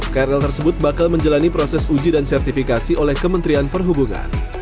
krl tersebut bakal menjalani proses uji dan sertifikasi oleh kementerian perhubungan